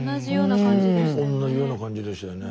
同じような感じでしたよね。